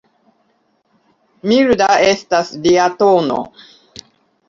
Milda estas lia tono.